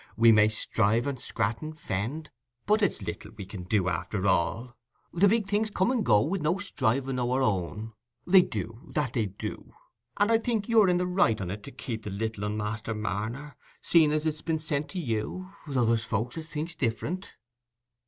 We may strive and scrat and fend, but it's little we can do arter all—the big things come and go wi' no striving o' our'n—they do, that they do; and I think you're in the right on it to keep the little un, Master Marner, seeing as it's been sent to you, though there's folks as thinks different.